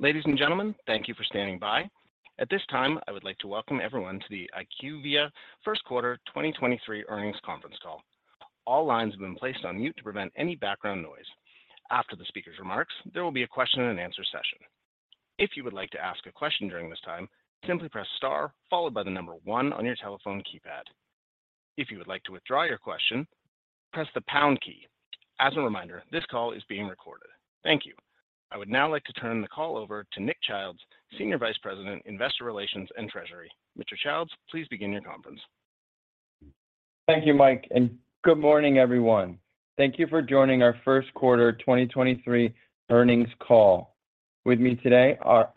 Ladies and gentlemen, thank you for standing by. At this time, I would like to welcome everyone to the IQVIA First Quarter 2023 Earnings Conference Call. All lines have been placed on mute to prevent any background noise. After the speaker's remarks, there will be a question and answer session. If you would like to ask a question during this time, simply press star followed by the number one on your telephone keypad. If you would like to withdraw your question, press the pound key. As a reminder, this call is being recorded. Thank you. I would now like to turn the call over to Nick Childs, Senior Vice President, Investor Relations and Treasury. Mr. Childs, please begin your conference. Thank you, Mike, good morning, everyone. Thank you for joining our first quarter 2023 earnings call. With me today are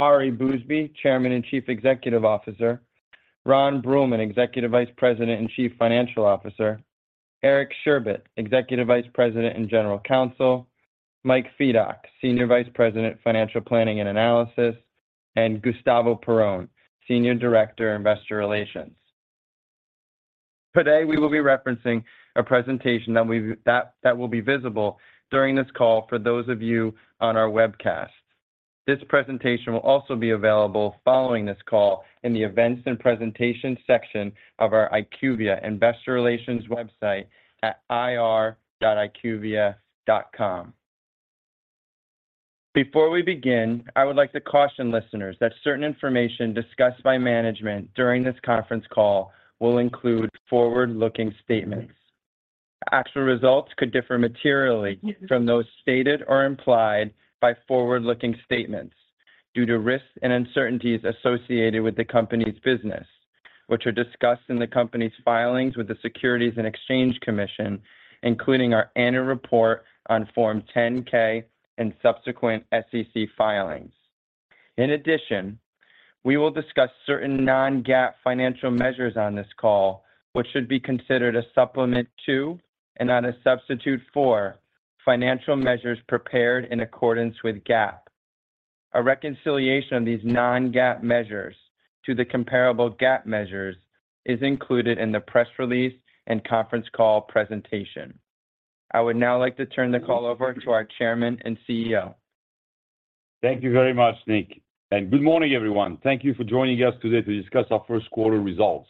Ari Bousbib, Chairman and Chief Executive Officer. Ron Bruehlman, Executive Vice President and Chief Financial Officer. Eric Sherbet, Executive Vice President and General Counsel. Mike Fedock, Senior Vice President, Financial Planning and Analysis. Gustavo Perrone, Senior Director, Investor Relations. Today, we will be referencing a presentation that will be visible during this call for those of you on our webcast. This presentation will also be available following this call in the Events and Presentation section of our IQVIA Investor Relations website at ir.iqvia.com. Before we begin, I would like to caution listeners that certain information discussed by management during this conference call will include forward-looking statements. Actual results could differ materially from those stated or implied by forward-looking statements due to risks and uncertainties associated with the company's business, which are discussed in the company's filings with the Securities and Exchange Commission, including our annual report on Form 10-K and subsequent SEC filings. We will discuss certain Non-GAAP financial measures on this call, which should be considered a supplement to and not a substitute for financial measures prepared in accordance with GAAP. A reconciliation of these Non-GAAP measures to the comparable GAAP measures is included in the press release and conference call presentation. I would now like to turn the call over to our Chairman and CEO. Thank you very much, Nick. Good morning, everyone. Thank you for joining us today to discuss our first quarter results.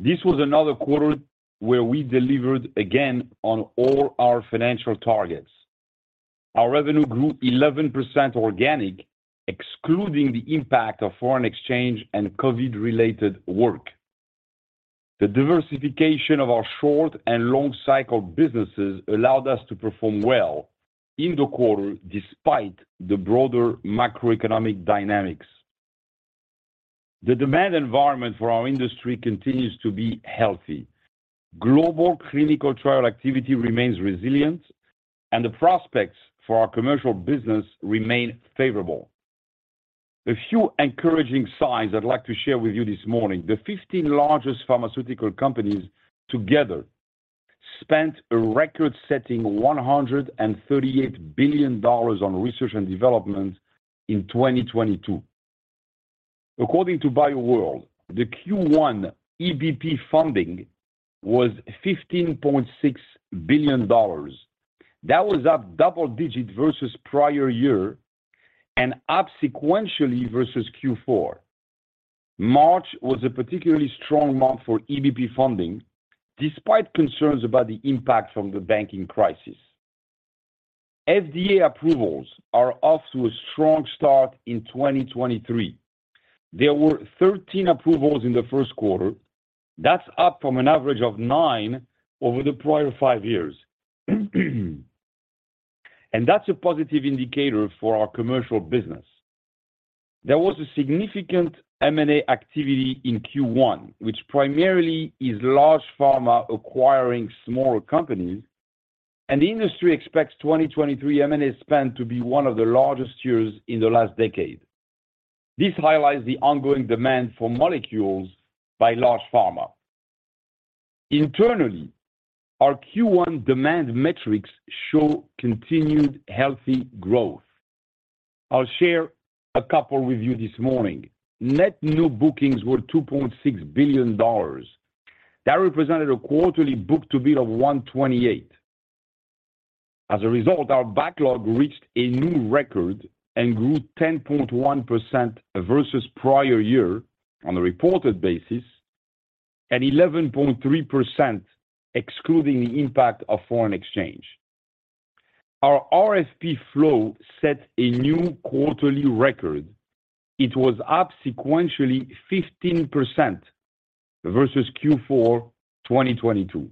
This was another quarter where we delivered again on all our financial targets. Our revenue grew 11% organic, excluding the impact of foreign exchange and COVID-related work. The diversification of our short and long cycle businesses allowed us to perform well in the quarter despite the broader macroeconomic dynamics. The demand environment for our industry continues to be healthy. Global clinical trial activity remains resilient, and the prospects for our commercial business remain favorable. A few encouraging signs I'd like to share with you this morning. The 15 largest pharmaceutical companies together spent a record-setting $138 billion on research and development in 2022. According to BioWorld, the Q1 EBP funding was $15.6 billion. That was up double-digit versus prior year and up sequentially versus Q4. March was a particularly strong month for EBP funding, despite concerns about the impact from the banking crisis. FDA approvals are off to a strong start in 2023. There were 13 approvals in the first quarter. That's up from an average of nine over the prior five years. That's a positive indicator for our commercial business. There was a significant M&A activity in Q1, which primarily is large pharma acquiring smaller companies, and the industry expects 2023 M&A spend to be one of the largest years in the last decade. This highlights the ongoing demand for molecules by large pharma. Internally, our Q1 demand metrics show continued healthy growth. I'll share a couple with you this morning. Net new bookings were $2.6 billion. That represented a quarterly book-to-bill of 128. As a result, our backlog reached a new record and grew 10.1% versus prior year on a reported basis and 11.3% excluding the impact of foreign exchange. Our RFP flow set a new quarterly record. It was up sequentially 15% versus Q4 2022.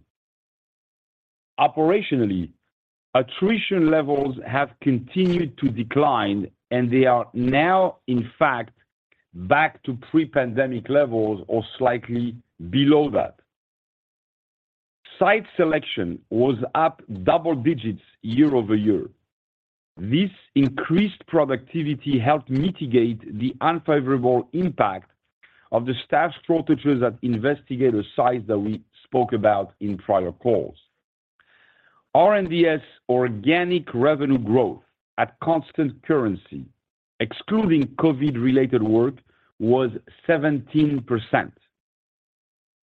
Operationally, attrition levels have continued to decline, and they are now, in fact, back to pre-pandemic levels or slightly below that. Site selection was up double digits year-over-year. This increased productivity helped mitigate the unfavorable impact of the staff shortages at investigator sites that we spoke about in prior calls. R&DS organic revenue growth at constant currency, excluding COVID-related work, was 17%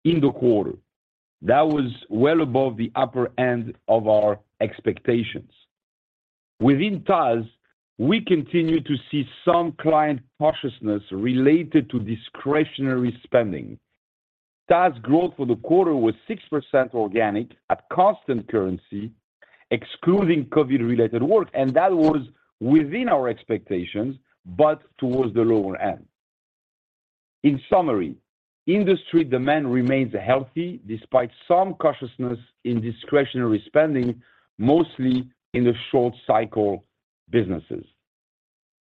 in the quarter. That was well above the upper end of our expectations. Within TAS, we continue to see some client cautiousness related to discretionary spending. TAS growth for the quarter was 6% organic at constant currency, excluding COVID-related work, and that was within our expectations, but towards the lower end. In summary, industry demand remains healthy despite some cautiousness in discretionary spending, mostly in the short cycle businesses.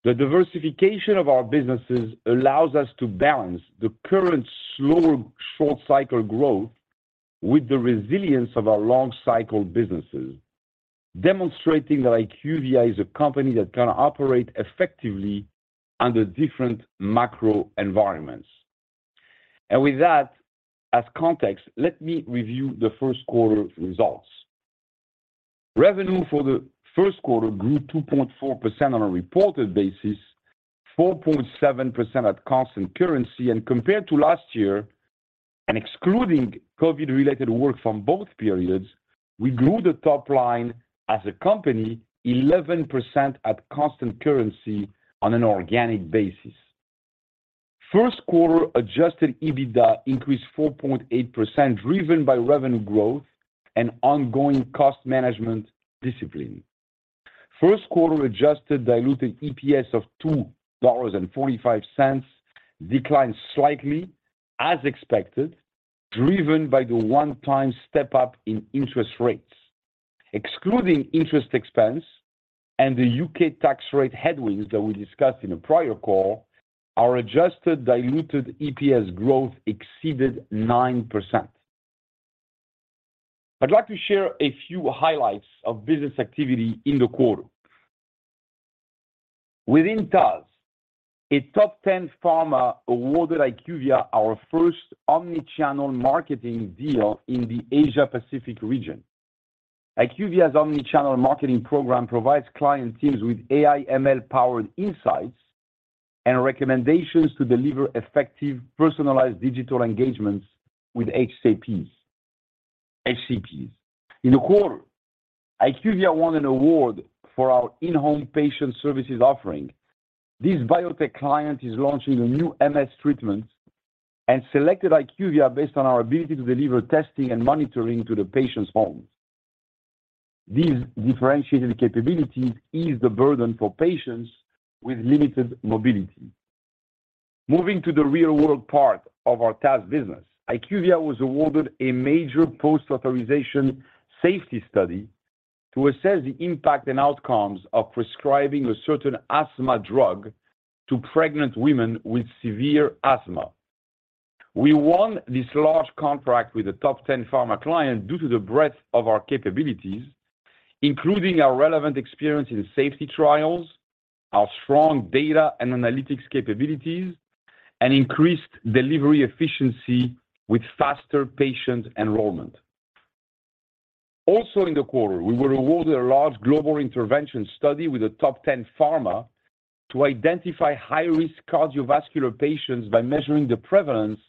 The diversification of our businesses allows us to balance the current slower short cycle growth with the resilience of our long cycle businesses, demonstrating that IQVIA is a company that can operate effectively under different macro environments. With that, as context, let me review the first quarter results. Revenue for the first quarter grew 2.4% on a reported basis, 4.7% at constant currency. Compared to last year, and excluding COVID-related work from both periods, we grew the top line as a company 11% at constant currency on an organic basis. First quarter adjusted EBITDA increased 4.8%, driven by revenue growth and ongoing cost management discipline. First quarter adjusted diluted EPS of $2.45 declined slightly, as expected, driven by the one-time step up in interest rates. Excluding interest expense and the U.K. tax rate headwinds that we discussed in a prior call, our adjusted diluted EPS growth exceeded 9%. I'd like to share a few highlights of business activity in the quarter. Within TAS, a top 10 pharma awarded IQVIA our first omnichannel marketing deal in the Asia Pacific region. IQVIA's omnichannel marketing program provides client teams with AI ML-powered insights and recommendations to deliver effective personalized digital engagements with HCPs. In the quarter, IQVIA won an award for our in-home patient services offering. This biotech client is launching a new MS treatment and selected IQVIA based on our ability to deliver testing and monitoring to the patient's home. These differentiated capabilities ease the burden for patients with limited mobility. Moving to the real-world part of our TAS business, IQVIA was awarded a major post-authorization safety study to assess the impact and outcomes of prescribing a certain asthma drug to pregnant women with severe asthma. We won this large contract with a top 10 pharma client due to the breadth of our capabilities, including our relevant experience in safety trials, our strong data and analytics capabilities, and increased delivery efficiency with faster patient enrollment. Also in the quarter, we were awarded a large global intervention study with a top 10 pharma to identify high-risk cardiovascular patients by measuring the prevalence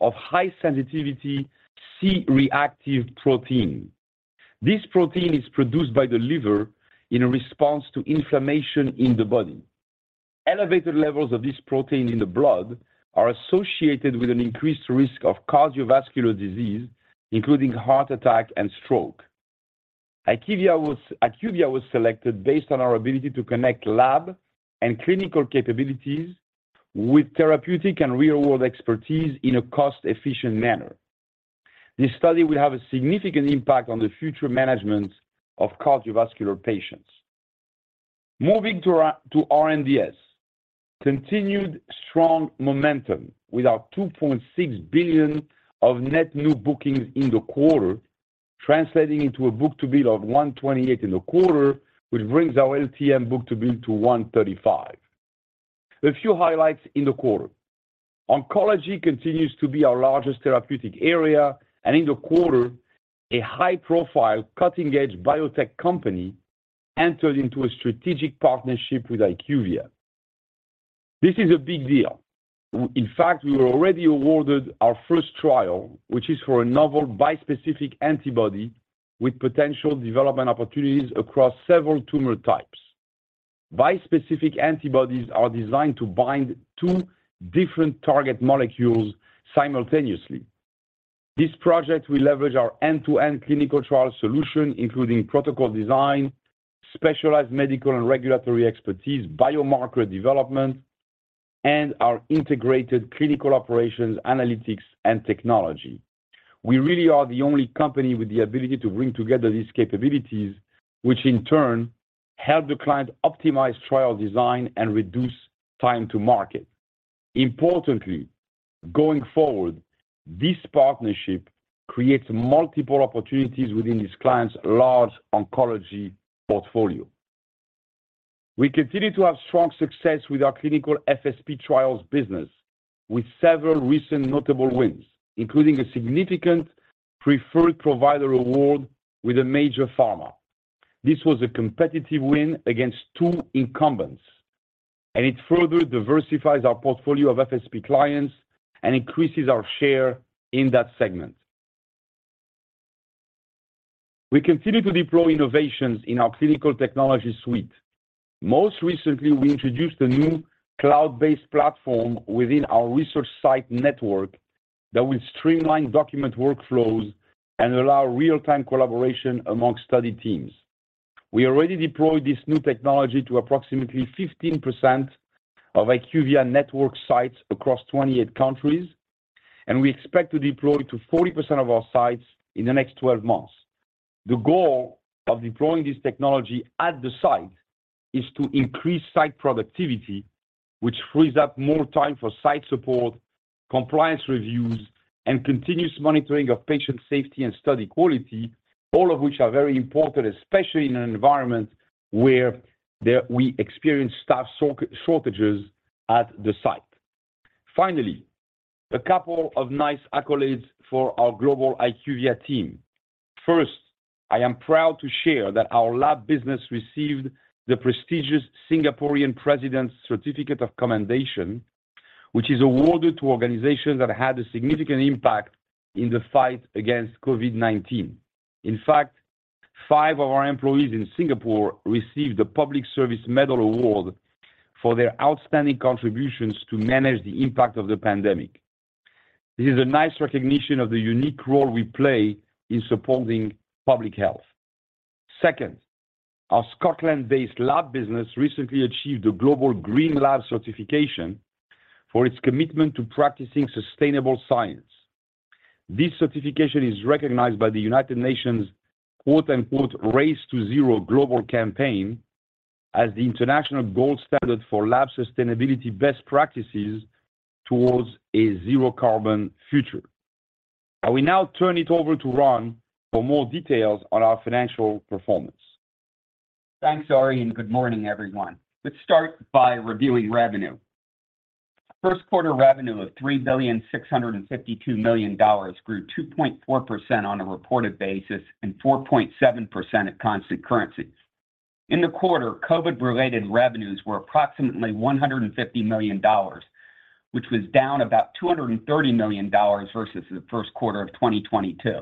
of high-sensitivity C-reactive protein. This protein is produced by the liver in response to inflammation in the body. Elevated levels of this protein in the blood are associated with an increased risk of cardiovascular disease, including heart attack and stroke. IQVIA was selected based on our ability to connect lab and clinical capabilities with therapeutic and real-world expertise in a cost-efficient manner. This study will have a significant impact on the future management of cardiovascular patients. Moving to R&DS. Continued strong momentum with our $2.6 billion of net new bookings in the quarter, translating into a book-to-bill of 128 in the quarter, which brings our LTM book-to-bill to 135. A few highlights in the quarter. Oncology continues to be our largest therapeutic area, and in the quarter, a high-profile, cutting-edge biotech company entered into a strategic partnership with IQVIA. This is a big deal. In fact, we were already awarded our first trial, which is for a novel bispecific antibody with potential development opportunities across several tumor types. Bispecific antibodies are designed to bind two different target molecules simultaneously. This project will leverage our end-to-end clinical trial solution, including protocol design, specialized medical and regulatory expertise, biomarker development, and our integrated clinical operations, analytics, and technology. We really are the only company with the ability to bring together these capabilities, which in turn help the client optimize trial design and reduce time to market. Importantly, going forward, this partnership creates multiple opportunities within this client's large oncology portfolio. We continue to have strong success with our clinical FSP trials business, with several recent notable wins, including a significant preferred provider award with a major pharma. This was a competitive win against two incumbents. It further diversifies our portfolio of FSP clients and increases our share in that segment. We continue to deploy innovations in our clinical technology suite. Most recently, we introduced a new cloud-based platform within our research site network that will streamline document workflows and allow real-time collaboration among study teams. We already deployed this new technology to approximately 15% of IQVIA network sites across 28 countries, and we expect to deploy to 40% of our sites in the next 12 months. The goal of deploying this technology at the site is to increase site productivity, which frees up more time for site support, compliance reviews, and continuous monitoring of patient safety and study quality, all of which are very important, especially in an environment where we experience staff shortages at the site. A couple of nice accolades for our global IQVIA team. I am proud to share that our lab business received the prestigious Singaporean President's Certificate of Commendation, which is awarded to organizations that had a significant impact in the fight against COVID-19. Five of our employees in Singapore received the Public Service Medal Award for their outstanding contributions to manage the impact of the pandemic. This is a nice recognition of the unique role we play in supporting public health. Our Scotland-based lab business recently achieved a Global Green Lab certification for its commitment to practicing sustainable science. This certification is recognized by the United Nations, quote-unquote, "Race to Zero global campaign as the international gold standard for lab sustainability best practices towards a zero-carbon future." I will now turn it over to Ron for more details on our financial performance. Thanks, Ari. Good morning, everyone. Let's start by reviewing revenue. First quarter revenue of $3.652 billion grew 2.4% on a reported basis and 4.7% at constant currency. In the quarter, COVID-related revenues were approximately $150 million, which was down about $230 million versus the first quarter of 2022.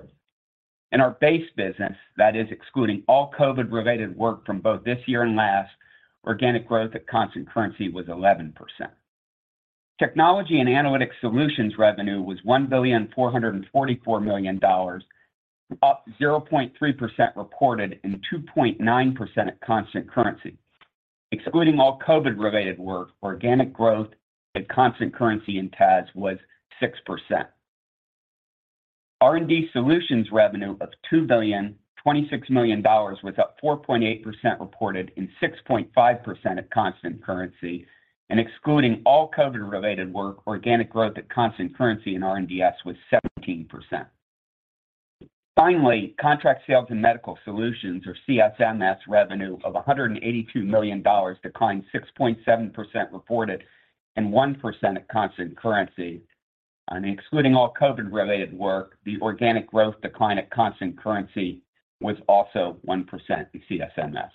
In our base business, that is excluding all COVID-related work from both this year and last, organic growth at constant currency was 11%. Technology & Analytics Solutions revenue was $1.444 billion, up 0.3% reported and 2.9% at constant currency. Excluding all COVID-related work, organic growth at constant currency in TAS was 6%. R&D Solutions revenue of $2.026 billion was up 4.8% reported and 6.5% at constant currency. Excluding all COVID-related work, organic growth at constant currency in R&DS was 17%. Finally, Contract Sales & Medical Solutions or CSMS revenue of $182 million declined 6.7% reported and 1% at constant currency. Excluding all COVID-related work, the organic growth decline at constant currency was also 1% in CSMS.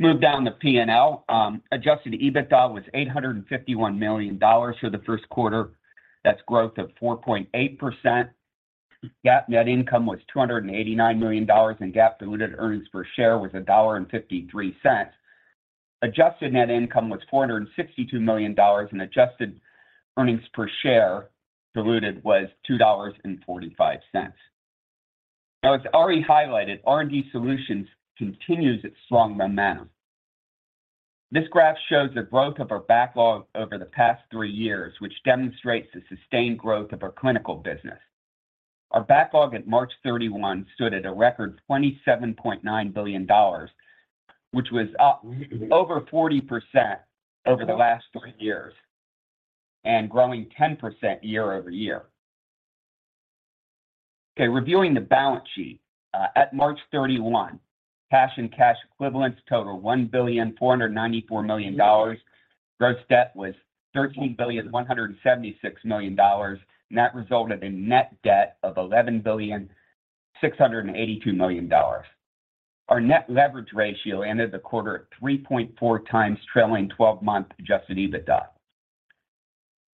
Let's move down to P&L. Adjusted EBITDA was $851 million for the first quarter. That's growth of 4.8%. GAAP net income was $289 million, and GAAP diluted earnings per share was $1.53. Adjusted net income was $462 million, and adjusted earnings per share diluted was $2.45. As Ari highlighted, R&D Solutions continues its strong momentum. This graph shows the growth of our backlog over the past three years, which demonstrates the sustained growth of our clinical business. Our backlog at March 31 stood at a record $27.9 billion, which was up over 40% over the last three years and growing 10% year-over-year. Reviewing the balance sheet. At March 31, cash and cash equivalents totaled $1.494 billion. Gross debt was $13.176 billion, and that resulted in net debt of $11.682 billion. Our net leverage ratio ended the quarter at 3.4 times trailing 12 month adjusted EBITDA.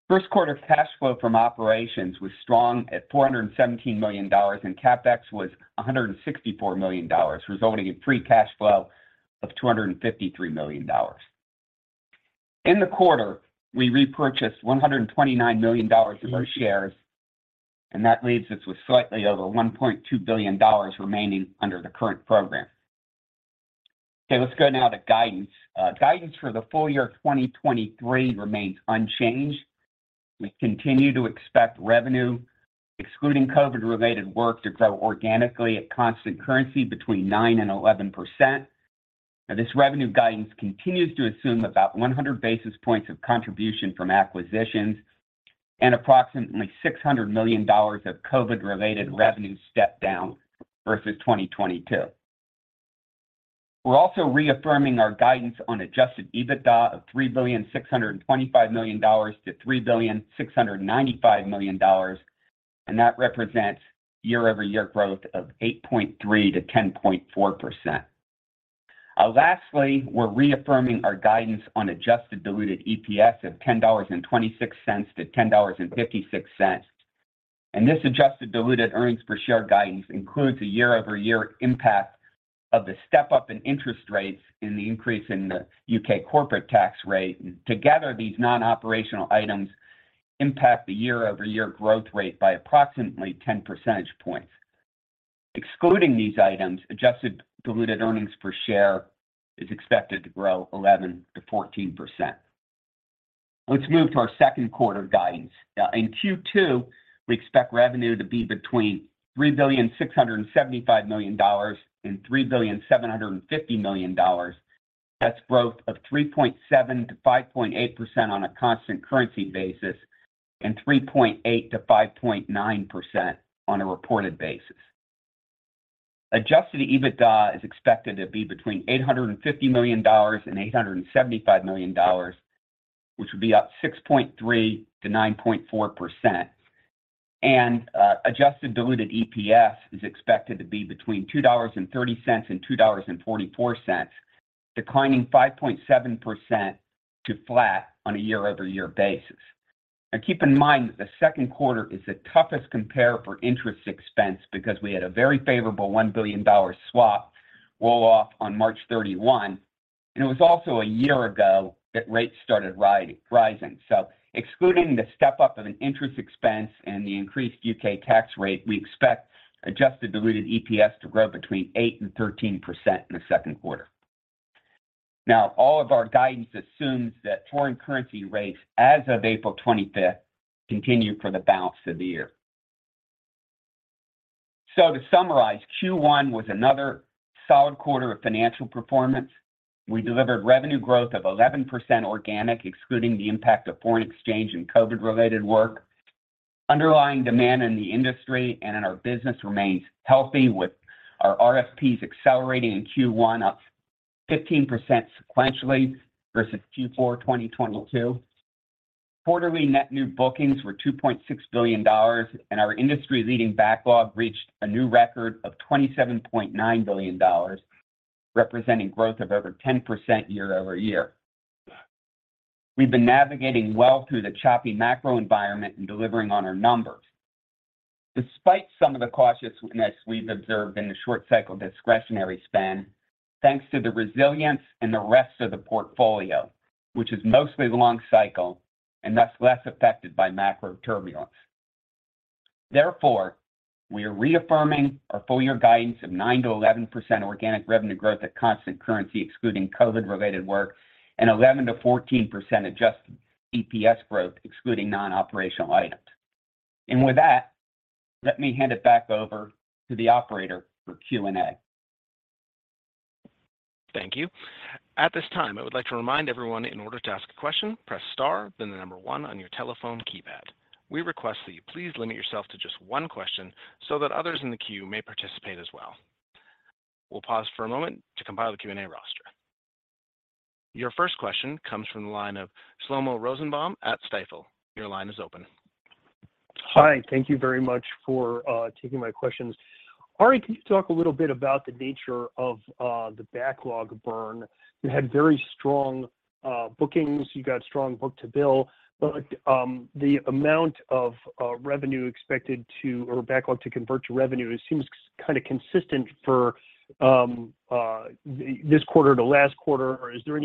First quarter cash flow from operations was strong at $417 million, and CapEx was $164 million, resulting in free cash flow of $253 million. In the quarter, we repurchased $129 million of our shares. That leaves us with slightly over $1.2 billion remaining under the current program. Let's go now to guidance. Guidance for the full year 2023 remains unchanged. We continue to expect revenue, excluding COVID-related work, to grow organically at constant currency between 9% and 11%. This revenue guidance continues to assume about 100 basis points of contribution from acquisitions and approximately $600 million of COVID-related revenue step down versus 2022. We're also reaffirming our guidance on adjusted EBITDA of $3.625 billion-$3.695 billion. That represents year-over-year growth of 8.3%-10.4%. Lastly, we're reaffirming our guidance on Adjusted Diluted EPS of $10.26-$10.56. This Adjusted Diluted Earnings Per Share guidance includes a year-over-year impact of the step up in interest rates and the increase in the U.K. corporate tax rate. Together, these non-operational items impact the year-over-year growth rate by approximately 10 percentage points. Excluding these items, Adjusted Diluted Earnings Per Share is expected to grow 11%-14%. Let's move to our second quarter guidance. In Q2, we expect revenue to be between $3.675 billion and $3.75 billion. That's growth of 3.7%-5.8% on a constant currency basis, and 3.8%-5.9% on a reported basis. Adjusted EBITDA is expected to be between $850 million and $875 million, which would be up 6.3%-9.4%. Adjusted Diluted EPS is expected to be between $2.30 and $2.44, declining 5.7% to flat on a year-over-year basis. Keep in mind that the second quarter is the toughest compare for interest expense because we had a very favorable $1 billion swap roll off on March 31, and it was also a year ago that rates started rising. Excluding the step-up of an interest expense and the increased U.K. tax rate, we expect Adjusted Diluted EPS to grow between 8% and 13% in the second quarter. All of our guidance assumes that foreign currency rates as of April 25 continue for the balance of the year. To summarize, Q1 was another solid quarter of financial performance. We delivered revenue growth of 11% organic, excluding the impact of foreign exchange and COVID-related work. Underlying demand in the industry and in our business remains healthy, with our RFPs accelerating in Q1, up 15% sequentially versus Q4 2022. Quarterly net new bookings were $2.6 billion, Our industry-leading backlog reached a new record of $27.9 billion, representing growth of over 10% year-over-year. We've been navigating well through the choppy macro environment and delivering on our numbers. Despite some of the cautiousness we've observed in the short cycle discretionary spend, thanks to the resilience in the rest of the portfolio, which is mostly long cycle and thus less affected by macro turbulence. Therefore, we are reaffirming our full year guidance of 9%-11% organic revenue growth at constant currency excluding COVID-related work, and 11%-14% Adjusted EPS growth excluding non-operational items. With that, let me hand it back over to the operator for Q&A. Thank you. At this time, I would like to remind everyone in order to ask a question, press star, then one on your telephone keypad. We request that you please limit yourself to just one question so that others in the queue may participate as well. We'll pause for a moment to compile the Q&A roster. Your first question comes from the line of Shlomo Rosenbaum at Stifel. Your line is open. Hi. Thank you very much for taking my questions. Ari, can you talk a little bit about the nature of the backlog burn? You had very strong bookings. You got strong book-to-bill. The amount of revenue or backlog to convert to revenue, it seems kind of consistent for this quarter to last quarter. Is there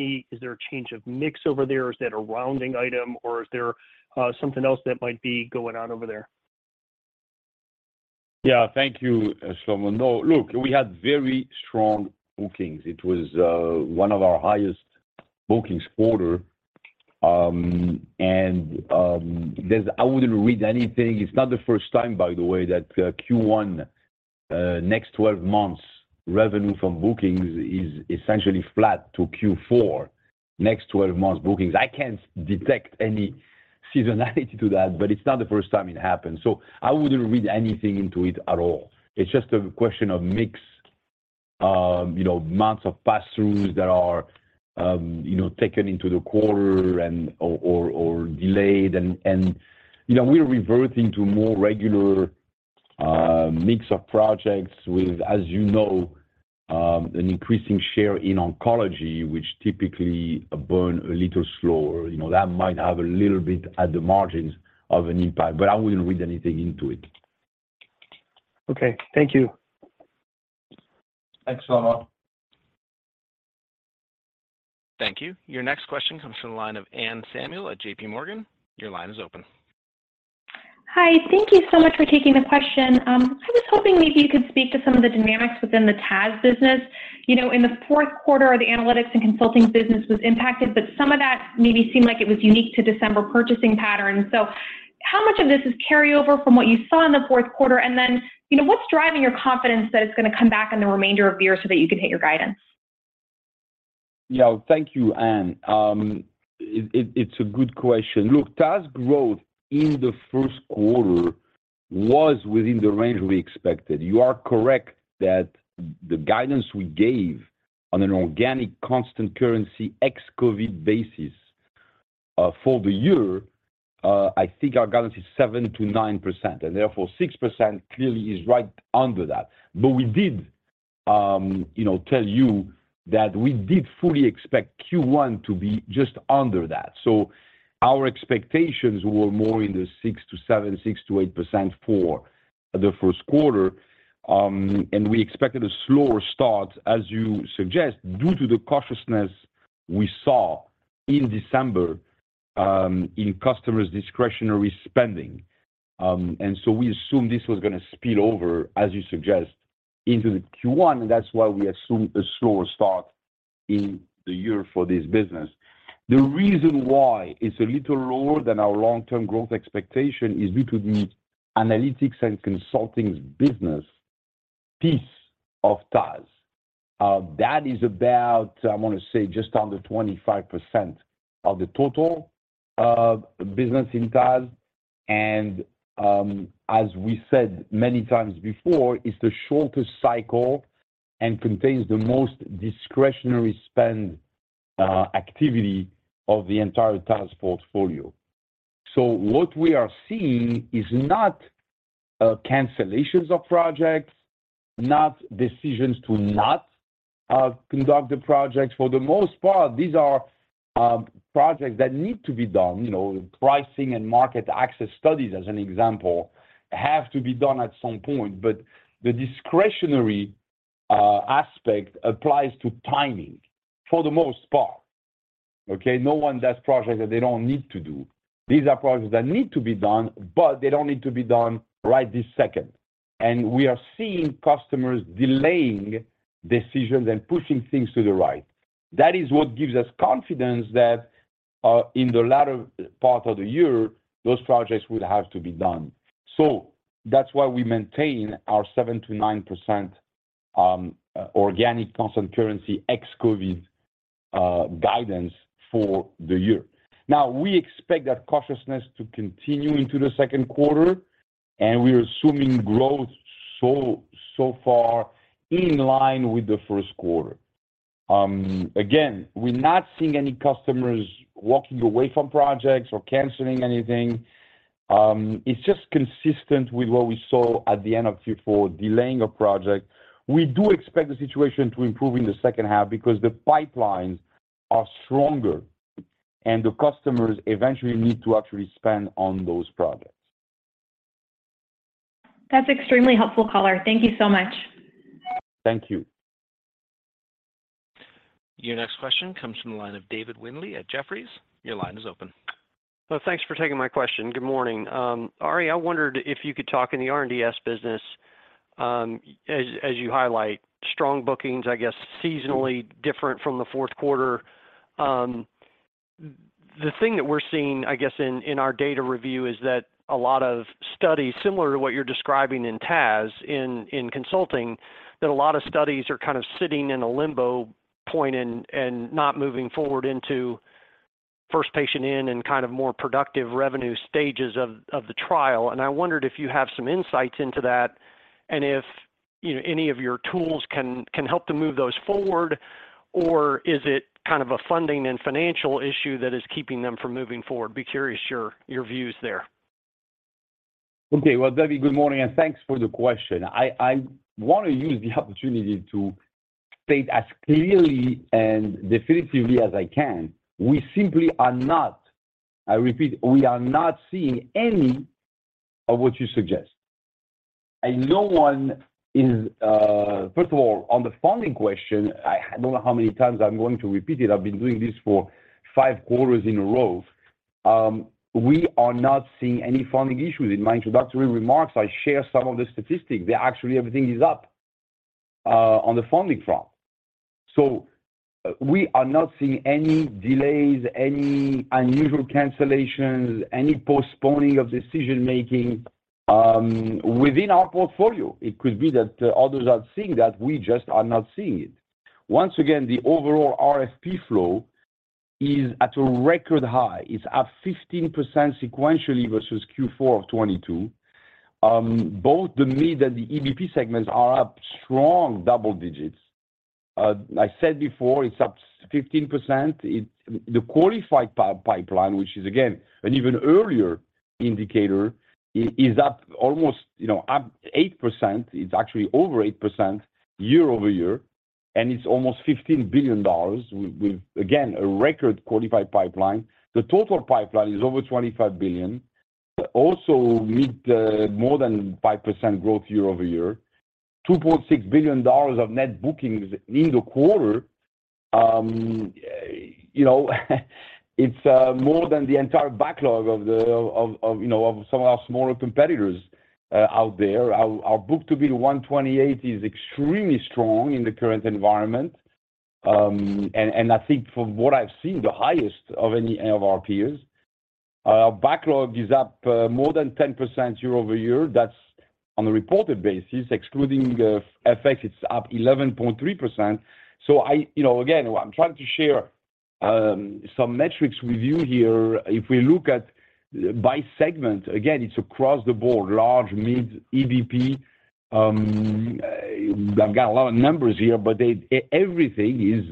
a change of mix over there? Is that a rounding item, or is there something else that might be going on over there? Thank you, Shlomo. Look, we had very strong bookings. It was one of our highest bookings quarter. There's I wouldn't read anything. It's not the first time, by the way, that Q1 next 12 months revenue from bookings is essentially flat to Q4 next 12 months bookings. I can't detect any seasonality to that, but it's not the first time it happened, so I wouldn't read anything into it at all. It's just a question of mix, you know, months of passthroughs that are, you know, taken into the quarter and/or delayed. You know, we're reverting to more regular mix of projects with, as you know, an increasing share in oncology, which typically burn a little slower. You know, that might have a little bit at the margins of an impact. I wouldn't read anything into it. Okay. Thank you. Thanks, Shlomo. Thank you. Your next question comes from the line of Anne Samuel at J.P. Morgan. Your line is open. Hi. Thank you so much for taking the question. I was hoping maybe you could speak to some of the dynamics within the TAS business. You know, in the fourth quarter, the analytics and consulting business was impacted, but some of that maybe seemed like it was unique to December purchasing patterns. How much of this is carryover from what you saw in the fourth quarter? You know, what's driving your confidence that it's gonna come back in the remainder of the year so that you can hit your guidance? Yeah. Thank you, Anne. It's a good question. TAS growth in the first quarter was within the range we expected. You are correct that the guidance we gave on an organic constant currency ex-COVID basis- For the year, I think our guidance is 7%-9%. Therefore 6% clearly is right under that. We did, you know, tell you that we did fully expect Q1 to be just under that. Our expectations were more in the 6%-7%, 6%-8% for the first quarter. We expected a slower start, as you suggest, due to the cautiousness we saw in December, in customers' discretionary spending. We assumed this was gonna spill over, as you suggest, into the Q1. That's why we assumed a slower start in the year for this business. The reason why it's a little lower than our long-term growth expectation is due to the analytics and consulting business piece of TAS. That is about, I wanna say, just under 25% of the total business in TAS. As we said many times before, it's the shortest cycle and contains the most discretionary spend activity of the entire TAS portfolio. What we are seeing is not cancellations of projects, not decisions to not conduct the projects. For the most part, these are projects that need to be done. You know, pricing and market access studies, as an example, have to be done at some point, but the discretionary aspect applies to timing for the most part, okay? No one does projects that they don't need to do. These are projects that need to be done, but they don't need to be done right this second. We are seeing customers delaying decisions and pushing things to the right. That is what gives us confidence that, in the latter part of the year, those projects would have to be done. That's why we maintain our 7%-9% organic constant currency ex-COVID guidance for the year. We expect that cautiousness to continue into the second quarter. We're assuming growth so far in line with the first quarter. Again, we're not seeing any customers walking away from projects or canceling anything. It's just consistent with what we saw at the end of Q4, delaying a project. We do expect the situation to improve in the second half because the pipelines are stronger, and the customers eventually need to actually spend on those projects. That's extremely helpful, Caller. Thank you so much. Thank you. Your next question comes from the line of David Windley at Jefferies. Your line is open. Well, thanks for taking my question. Good morning. Ari, I wondered if you could talk in the R&DS business, as you highlight strong bookings, I guess seasonally different from the fourth quarter. The thing that we're seeing, I guess in our data review is that a lot of studies similar to what you're describing in TAS in consulting, that a lot of studies are kind of sitting in a limbo point and not moving forward into first patient in and kind of more productive revenue stages of the trial. I wondered if you have some insights into that and if, you know, any of your tools can help to move those forward, or is it kind of a funding and financial issue that is keeping them from moving forward? Be curious your views there. Okay. Well, David, good morning, and thanks for the question. I wanna use the opportunity to state as clearly and definitively as I can. We simply are not, I repeat, we are not seeing any of what you suggest. No one is. First of all, on the funding question, I don't know how many times I'm going to repeat it. I've been doing this for five quarters in a row. We are not seeing any funding issues. In my introductory remarks, I share some of the statistics. They actually, everything is up on the funding front. We are not seeing any delays, any unusual cancellations, any postponing of decision-making within our portfolio. It could be that others are seeing that. We just are not seeing it. Once again, the overall RFP flow is at a record high. It's up 15% sequentially versus Q4 of 2022. Both the mid and the EBP segments are up strong double digits. I said before, it's up 15%. The qualified pipeline, which is again an even earlier indicator, is up almost, you know, up 8%. It's actually over 8% year-over-year, it's almost $15 billion with, again, a record qualified pipeline. The total pipeline is over $25 billion. Mid, more than 5% growth year-over-year. $2.6 billion of net bookings in the quarter. You know, it's more than the entire backlog of the, you know, of some of our smaller competitors out there. Our book-to-bill 128 is extremely strong in the current environment. I think from what I've seen, the highest of any of our peers. Our backlog is up more than 10% year-over-year. That's on a reported basis. Excluding FX, it's up 11.3%. You know, again, what I'm trying to share some metrics with you here. If we look at by segment, again, it's across the board, large, mid, EBP, I've got a lot of numbers here, but everything is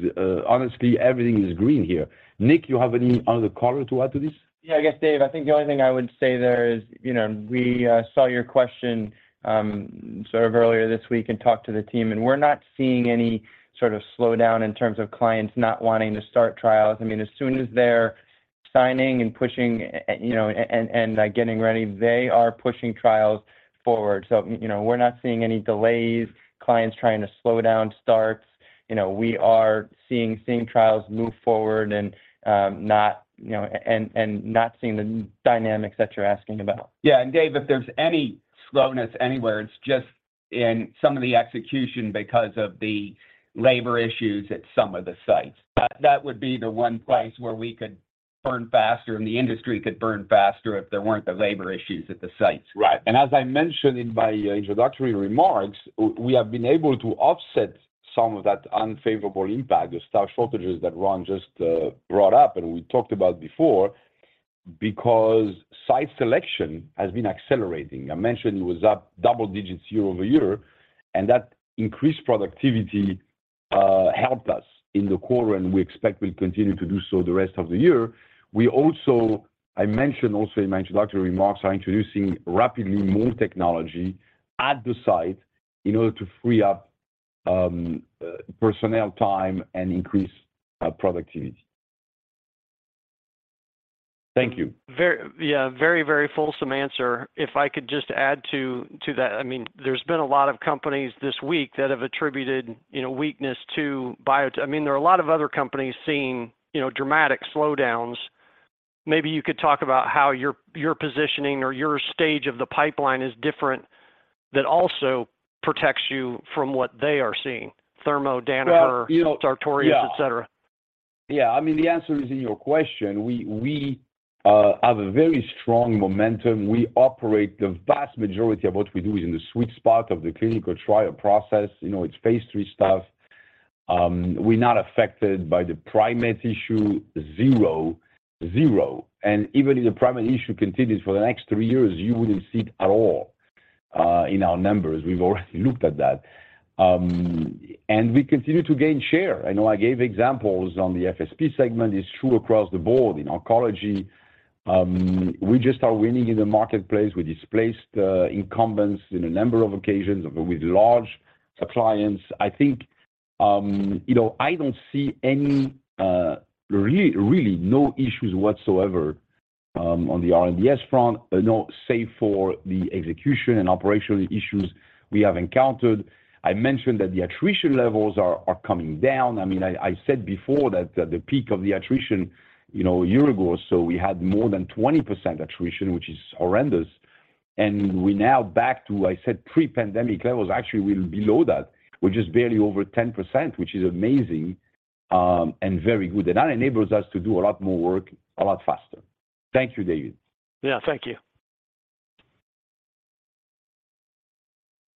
honestly, everything is green here. Nick, you have any other color to add to this? Yeah, I guess, Dave, I think the only thing I would say there is, you know, we saw your question, sort of earlier this week and talked to the team, and we're not seeing any sort of slowdown in terms of clients not wanting to start trials. I mean, as soon as they're signing and pushing and, you know, and getting ready, they are pushing trials forward. You know, we're not seeing any delays, clients trying to slow down starts. You know, we are seeing trials move forward and not, you know, and not seeing the dynamics that you're asking about. Yeah. Dave, if there's any slowness anywhere, it's just in some of the execution because of the labor issues at some of the sites. That would be the one place where we could burn faster and the industry could burn faster if there weren't the labor issues at the sites. Right. As I mentioned in my introductory remarks, we have been able to offset some of that unfavorable impact of staff shortages that Ron just brought up and we talked about before, because site selection has been accelerating. I mentioned it was up double digits year-over-year, and that increased productivity helped us in the quarter, and we expect will continue to do so the rest of the year. I mentioned also in my introductory remarks, are introducing rapidly more technology at the site in order to free up personnel time and increase productivity. Thank you. Yeah, very, very fulsome answer. If I could just add to that. I mean, there's been a lot of companies this week that have attributed, you know, weakness to bio. I mean, there are a lot of other companies seeing, you know, dramatic slowdowns. Maybe you could talk about how your positioning or your stage of the pipeline is different that also protects you from what they are seeing. Thermo, Danaher. Well, you know. Sartorius, et cetera. Yeah. I mean, the answer is in your question. We have a very strong momentum. The vast majority of what we do is in the sweet spot of the clinical trial process. You know, it's Phase III stuff. We're not affected by the primate issue. Zero. Zero. Even if the primate issue continues for the next three years, you wouldn't see it at all in our numbers. We've already looked at that. We continue to gain share. I know I gave examples on the FSP segment. It's true across the board. In oncology, we just are winning in the marketplace. We displaced incumbents in a number of occasions with large clients. I think, you know, I don't see any really no issues whatsoever on the R&DS front. No, save for the execution and operational issues we have encountered. I mentioned that the attrition levels are coming down. I mean, I said before that the peak of the attrition, you know, a year ago or so, we had more than 20% attrition, which is horrendous. We're now back to, I said, pre-pandemic levels. Actually, we're below that. We're just barely over 10%, which is amazing, and very good. That enables us to do a lot more work a lot faster. Thank you, David. Yeah, thank you.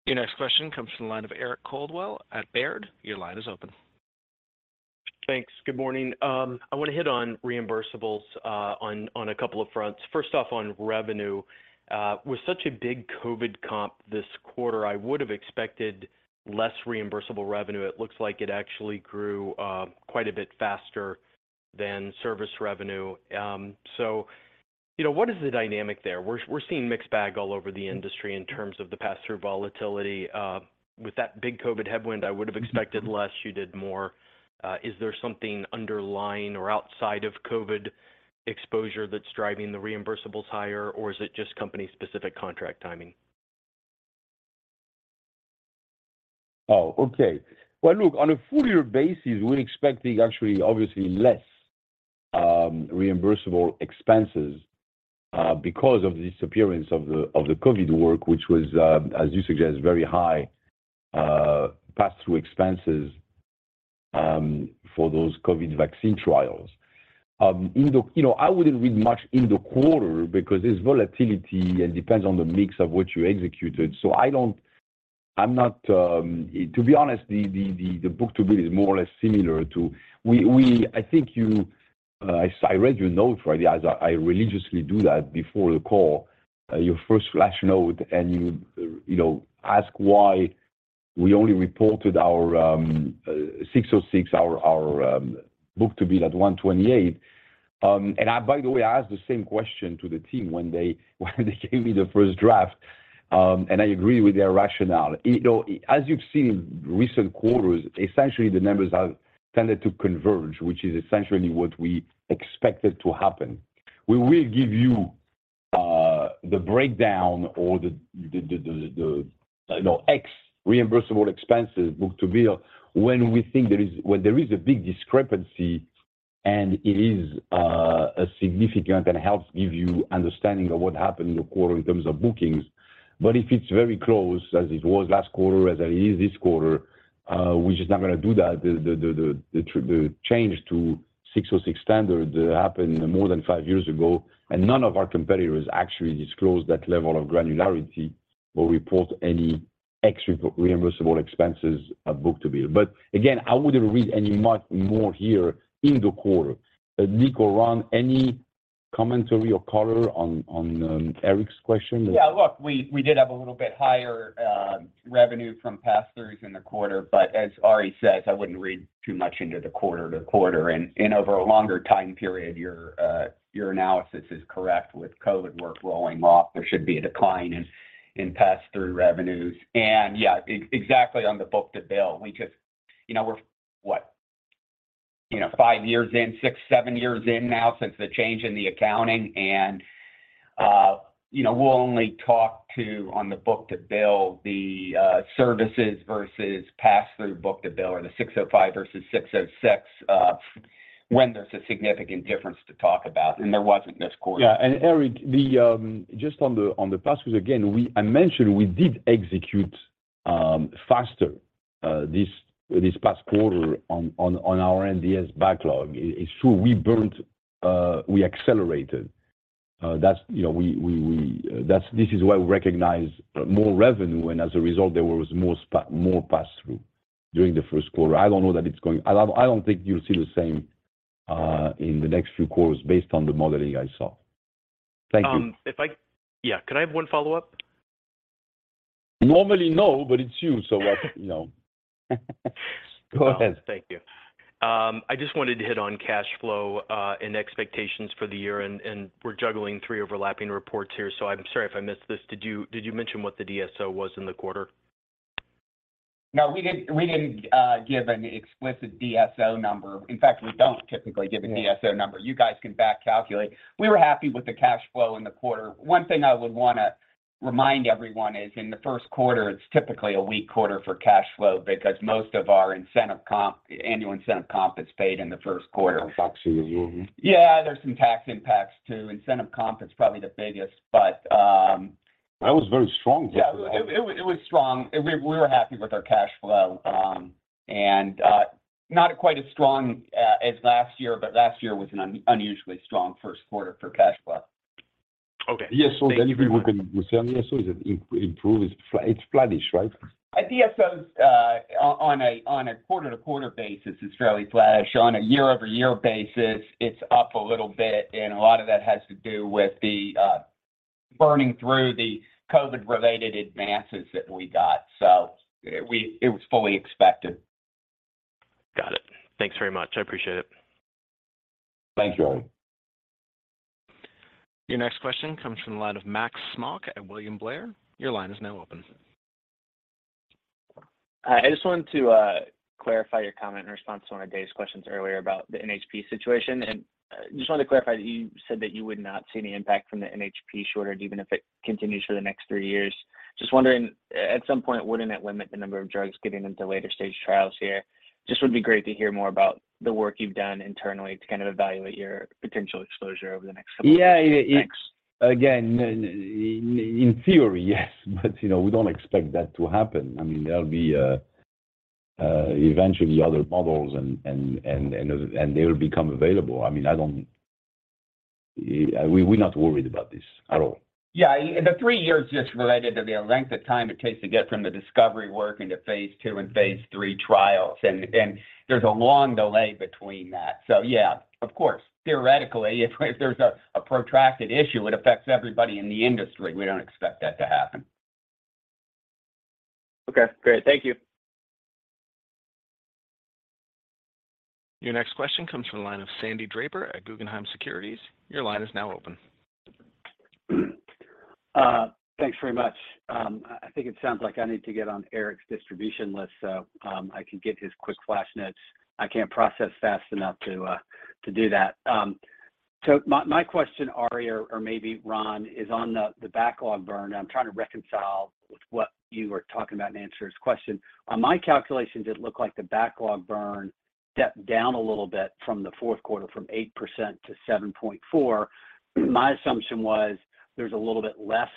Your next question comes from the line of Eric Coldwell at Baird. Your line is open. Thanks. Good morning. I want to hit on reimbursables on a couple of fronts. First off, on revenue. With such a big COVID comp this quarter, I would have expected less reimbursable revenue. It looks like it actually grew quite a bit faster than service revenue. You know, what is the dynamic there? We're seeing mixed bag all over the industry in terms of the pass-through volatility. With that big COVID headwind, I would have expected less. You did more. Is there something underlying or outside of COVID exposure that's driving the reimbursables higher, or is it just company-specific contract timing? Okay. Well, look, on a full year basis, we're expecting actually obviously less reimbursable expenses because of the disappearance of the COVID work, which was as you suggest, very high pass-through expenses for those COVID vaccine trials. You know, I wouldn't read much in the quarter because it's volatility and depends on the mix of what you executed. I'm not. To be honest, the book-to-bill is more or less similar to. I read your note, right. I religiously do that before the call. Your first flash note and you know, ask why we only reported our 606, our book-to-bill at 1.28. By the way, I asked the same question to the team when they gave me the first draft, and I agree with their rationale. You know, as you've seen in recent quarters, essentially the numbers have tended to converge, which is essentially what we expected to happen. We will give you the breakdown or the, you know, ex reimbursable expenses book-to-bill when there is a big discrepancy and it is significant and helps give you understanding of what happened in the quarter in terms of bookings. If it's very close, as it was last quarter, as it is this quarter, we're just not going to do that. The change to ASC 606 standard happened more than five years ago. None of our competitors actually disclose that level of granularity or report any extra reimbursable expenses at book-to-bill. Again, I wouldn't read any much more here in the quarter. Nick Childs or Ron Bruehlman, Commentary or color on Eric Coldwell's question? Yeah. Look, we did have a little bit higher revenue from pass-throughs in the quarter, but as Ari says, I wouldn't read too much into the quarter-to-quarter. Over a longer time period, your analysis is correct with COVID work rolling off, there should be a decline in pass-through revenues. Yeah, exactly on the book-to-bill, You know, we're five years in, six, seven years in now since the change in the accounting and, you know, we'll only talk to on the book-to-bill the services versus pass-through book-to-bill or the 605 versus 606, when there's a significant difference to talk about, and there wasn't this quarter. Yeah. Eric, just on the pass-throughs again, I mentioned we did execute faster this past quarter on our MDS backlog. It's true, we burnt, we accelerated. That's, you know, this is why we recognize more revenue, and as a result, there was more pass-through during the first quarter. I don't think you'll see the same in the next few quarters based on the modeling I saw. Thank you. Yeah. Could I have one follow-up? Normally no, but it's you, so I... You know. Go ahead. Thank you. I just wanted to hit on cash flow and expectations for the year and we're juggling three overlapping reports here, so I'm sorry if I missed this. Did you mention what the DSO was in the quarter? No, we didn't give an explicit DSO number. In fact, we don't typically give a DSO number. You guys can back calculate. We were happy with the cash flow in the quarter. One thing I would wanna remind everyone is in the first quarter, it's typically a weak quarter for cash flow because most of our incentive comp, annual incentive comp is paid in the first quarter. There's some tax impacts too. Incentive comp is probably the biggest, but, That was very strong. Yeah. It was strong. We were happy with our cash flow. Not quite as strong as last year, but last year was an unusually strong first quarter for cash flow. Okay. Yes, if we look in the Thank you very much. it improves. It's flattish, right? DSOs on a quarter-to-quarter basis is fairly flattish. On a year-over-year basis, it's up a little bit, and a lot of that has to do with the burning through the COVID-related advances that we got. It was fully expected. Got it. Thanks very much. I appreciate it. Thank you. Your next question comes from the line of Max Smock at William Blair. Your line is now open. Hi. I just wanted to clarify your comment in response to one of Dave's questions earlier about the NHP situation. Just wanted to clarify that you said that you would not see any impact from the NHP shortage, even if it continues for the next three years. Wondering, at some point, wouldn't it limit the number of drugs getting into later-stage trials here? Would be great to hear more about the work you've done internally to kind of evaluate your potential exposure over the next several years. Thanks. Yeah. Again, in theory, yes. You know, we don't expect that to happen. I mean, there'll be eventually other models and they will become available. I mean, we're not worried about this at all. Yeah. The three years just related to the length of time it takes to get from the discovery work into Phase II and Phase III trials and there's a long delay between that. Yeah, of course, theoretically, if there's a protracted issue, it affects everybody in the industry. We don't expect that to happen. Okay, great. Thank you. Your next question comes from the line of Sandy Draper at Guggenheim Securities. Your line is now open. Thanks very much. I think it sounds like I need to get on Eric's distribution list, so I can get his quick flash notes. I can't process fast enough to do that. My question, Ari, or maybe Ron, is on the backlog burn. I'm trying to reconcile with what you were talking about in answering this question. On my calculations, it looked like the backlog burn stepped down a little bit from the fourth quarter from 8% to 7.4%. My assumption was there's a little bit less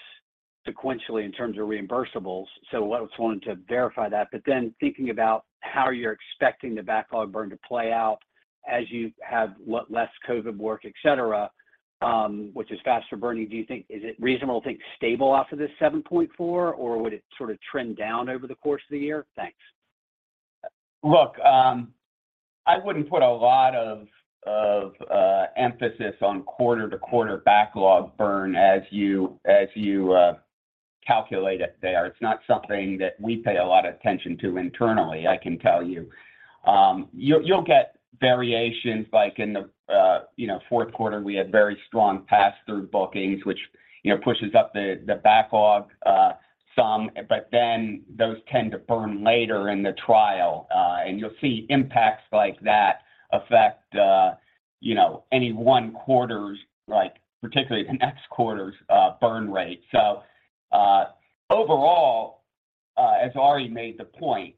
sequentially in terms of reimbursables. I just wanted to verify that. Thinking about how you're expecting the backlog burn to play out as you have less COVID work, et cetera, which is faster burning, is it reasonable to think stable off of this 7.4, or would it sort of trend down over the course of the year? Thanks. Look, I wouldn't put a lot of emphasis on quarter-to-quarter backlog burn as you calculate it there. It's not something that we pay a lot of attention to internally, I can tell you. You'll get variations like in the, you know, fourth quarter, we had very strong pass-through bookings, which, you know, pushes up the backlog some, but then those tend to burn later in the trial. You'll see impacts like that affect, you know, any one quarter's like, particularly the next quarter's burn rate. Overall, as Ari made the point,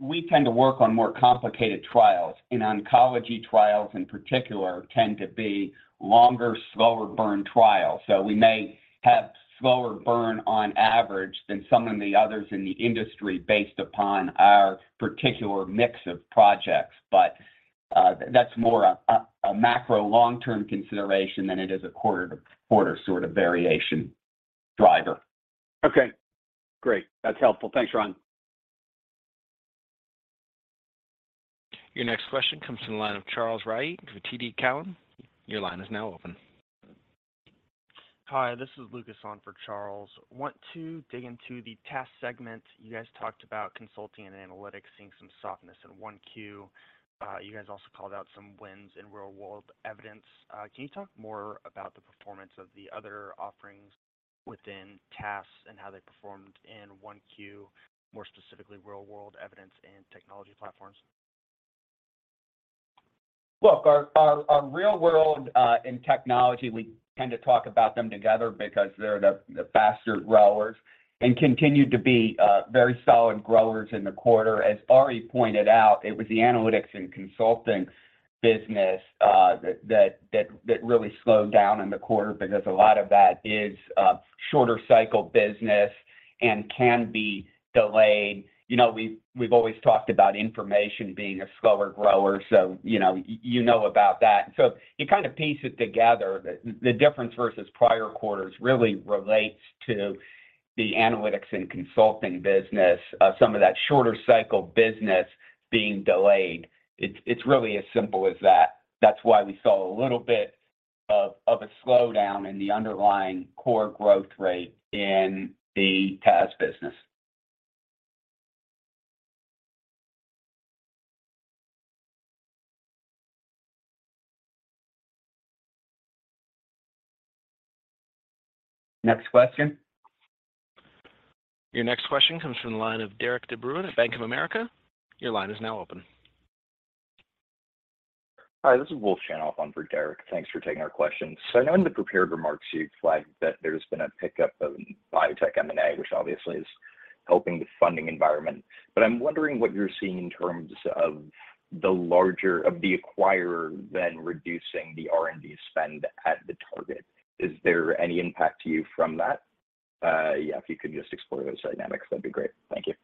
we tend to work on more complicated trials, and oncology trials in particular tend to be longer, slower burn trials. We may have slower burn on average than some of the others in the industry based upon our particular mix of projects. That's more a macro long-term consideration than it is a quarter-to-quarter sort of variation driver. Okay, great. That's helpful. Thanks, Ron. Your next question comes from the line of Charles Rhyee with TD Cowen. Your line is now open. Hi, this is Lucas on for Charles. Want to dig into the TAS segment. You guys talked about consulting and analytics seeing some softness in 1Q. You guys also called out some wins in Real-World Evidence. Can you talk more about the performance of the other offerings within TAS and how they performed in 1Q, more specifically Real-World Evidence and technology platforms? Look, our real-world in technology, we tend to talk about them together because they're the faster growers and continue to be very solid growers in the quarter. As Ari pointed out, it was the analytics and consulting business that really slowed down in the quarter because a lot of that is shorter cycle business and can be delayed. You know, we've always talked about information being a slower grower, so you know, you know about that. You kind of piece it together. The difference versus prior quarters really relates to the analytics and consulting business, some of that shorter cycle business being delayed. It's really as simple as that. That's why we saw a little bit of a slowdown in the underlying core growth rate in the TAS business. Next question. Your next question comes from the line of Derik De Bruin at Bank of America. Your line is now open. Hi, this is Wolf Chanoff on for Derik. Thanks for taking our question. I know in the prepared remarks, you flagged that there's been a pickup of biotech M&A, which obviously is helping the funding environment. I'm wondering what you're seeing in terms of the acquirer then reducing the R&D spend at the target. Is there any impact to you from that? Yeah, if you could just explore those dynamics, that'd be great. Thank you.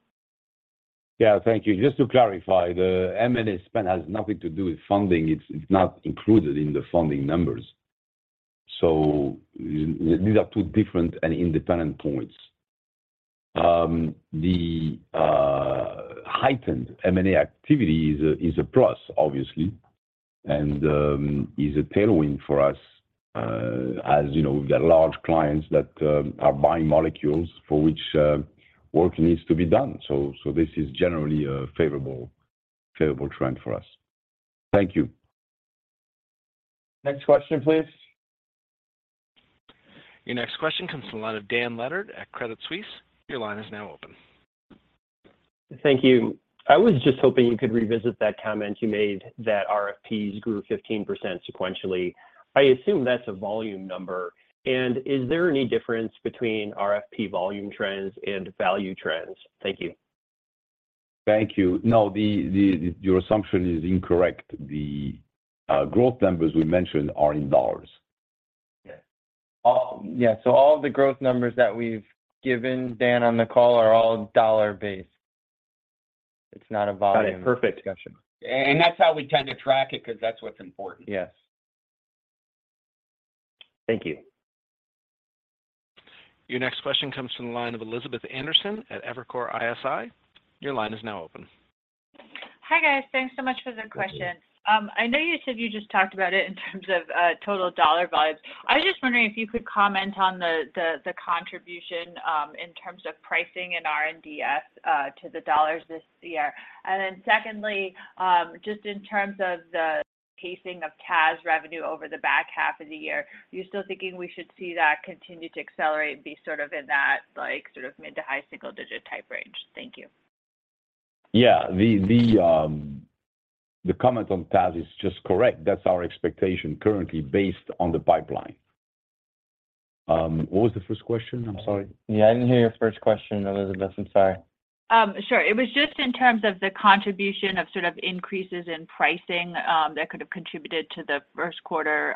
Yeah, thank you. Just to clarify, the M&A spend has nothing to do with funding. It's not included in the funding numbers. These are two different and independent points. The heightened M&A activity is a plus, obviously, and is a tailwind for us, as, you know, we've got large clients that are buying molecules for which work needs to be done. This is generally a favorable trend for us. Thank you. Next question, please. Your next question comes from the line of Dan Leonard at Credit Suisse. Your line is now open. Thank you. I was just hoping you could revisit that comment you made that RFPs grew 15% sequentially? I assume that's a volume number? And is there any difference between RFP volume trends and value trends? Thank you. Thank you. No, your assumption is incorrect. The growth numbers we mentioned are in dollars. Yeah. All the growth numbers that we've given Dan on the call are all dollar based. It's not a volume. Got it. Perfect. That's how we tend to track it because that's what's important. Yes. Thank you. Your next question comes from the line of Elizabeth Anderson at Evercore ISI. Your line is now open. Hi, guys. Thanks so much for the question. Thank you. I know you said you just talked about it in terms of total dollar volumes. I was just wondering if you could comment on the contribution in terms of pricing in R&DS to the dollars this year. Secondly, just in terms of the pacing of CSMS revenue over the back half of the year, are you still thinking we should see that continue to accelerate and be in that like, mid to high single digit type range? Thank you. Yeah. The comment on CSMS is just correct. That's our expectation currently based on the pipeline. What was the first question? I'm sorry. Yeah, I didn't hear your first question, Elizabeth. I'm sorry. Sure. It was just in terms of the contribution of sort of increases in pricing that could have contributed to the first quarter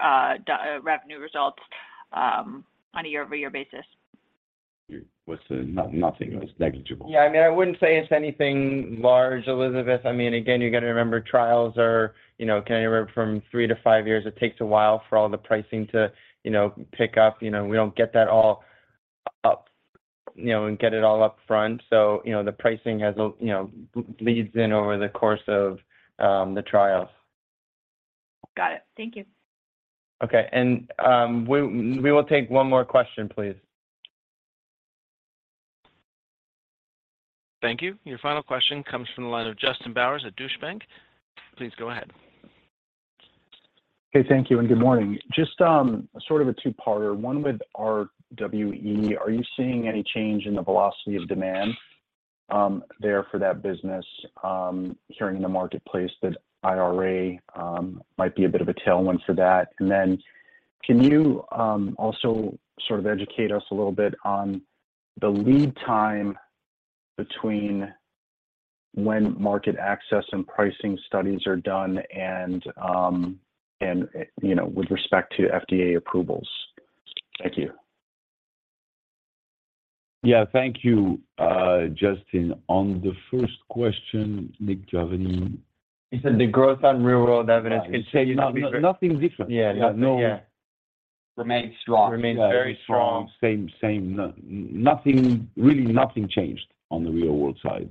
revenue results on a year-over-year basis. It was no-nothing. It was negligible. I mean, I wouldn't say it's anything large, Elizabeth. I mean, again, you got to remember, trials are, you know, can anywhere from three to five years. It takes a while for all the pricing to, you know, pick up. You know, we don't get that all up, you know, and get it all up front. You know, the pricing has a, you know, leads in over the course of the trials. Got it. Thank you. Okay. We will take one more question, please. Thank you. Your final question comes from the line of Justin Bowers at Deutsche Bank. Please go ahead. Okay, thank you and good morning. Just, sort of a two-parter, one with RWE. Are you seeing any change in the velocity of demand, there for that business? Hearing in the marketplace that IRA, might be a bit of a tailwind for that. Then can you, also sort of educate us a little bit on the lead time between when market access and pricing studies are done and, you know, with respect to FDA approvals? Thank you. Yeah. Thank you, Justin. On the first question, Nick, do you have any? He said the growth on Real World Evidence- Nothing, nothing different. Yeah. Yeah. No- Yeah Remains strong. Remains very strong. Same. Nothing, really nothing changed on the real world side.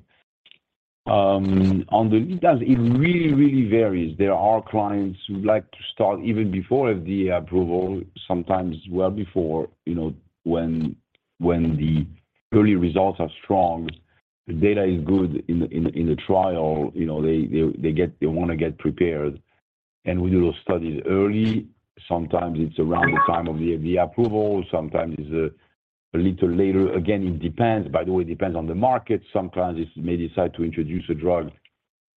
It does. It really varies. There are clients who like to start even before the approval, sometimes well before, you know, when the early results are strong, the data is good in the trial. You know, they get. They wanna get prepared. We do those studies early. Sometimes it's around the time of the approval. Sometimes it's a little later. Again, it depends. By the way, it depends on the market. Sometimes it may decide to introduce a drug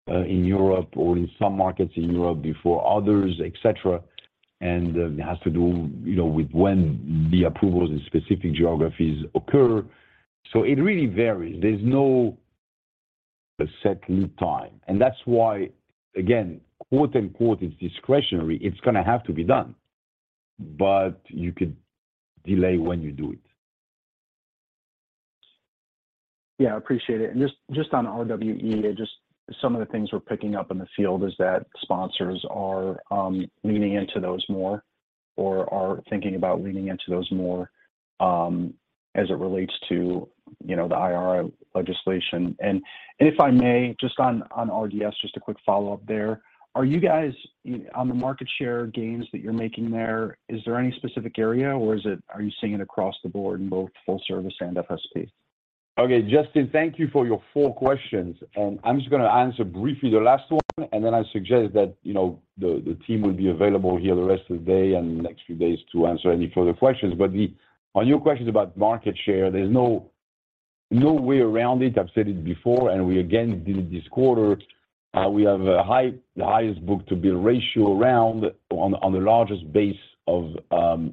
in Europe or in some markets in Europe before others, et cetera. It has to do, you know, with when the approvals in specific geographies occur. It really varies. There's no set lead time. That's why, again, quote-unquote, "It's discretionary." It's gonna have to be done, but you could delay when you do it. Yeah, I appreciate it. Just on RWE, just some of the things we're picking up in the field is that sponsors are leaning into those more or are thinking about leaning into those more as it relates to, you know, the IRA legislation. If I may, just on RDS, just a quick follow-up there. Are you guys, on the market share gains that you're making there, is there any specific area or are you seeing it across the board in both full service and FSP? Okay, Justin, thank you for your four questions. I'm just gonna answer briefly the last one, and then I suggest that, you know, the team will be available here the rest of the day and next few days to answer any further questions. On your questions about market share, there's no way around it. I've said it before, we again did it this quarter. We have the highest book-to-bill ratio around on the largest base of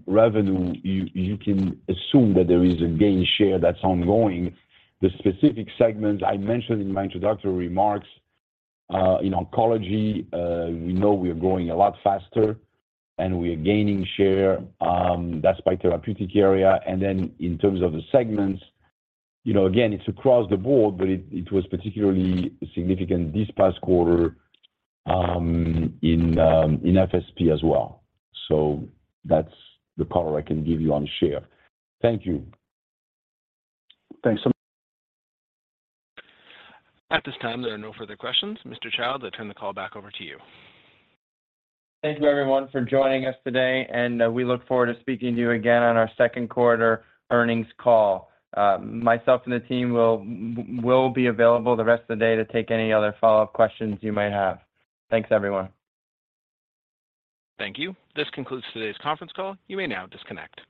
revenue. You can assume that there is a gain share that's ongoing. The specific segments I mentioned in my introductory remarks, in oncology, we know we are growing a lot faster and we are gaining share, that's by therapeutic area. In terms of the segments, you know, again, it's across the board, but it was particularly significant this past quarter, in FSP as well. That's the color I can give you on share. Thank you. Thanks so much. At this time, there are no further questions. Mr. Childs, I turn the call back over to you. Thank you everyone for joining us today. We look forward to speaking to you again on our second quarter earnings call. Myself and the team will be available the rest of the day to take any other follow-up questions you might have. Thanks, everyone. Thank you. This concludes today's conference call. You may now disconnect.